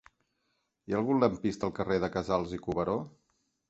Hi ha algun lampista al carrer de Casals i Cuberó?